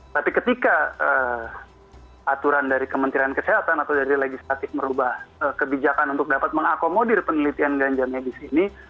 tapi ketika aturan dari kementerian kesehatan atau dari legislatif merubah kebijakan untuk dapat mengakomodir penelitian ganja medis ini